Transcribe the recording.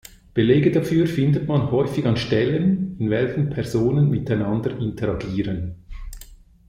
Belege dafür findet man häufig an Stellen, in welchen Personen miteinander interagieren.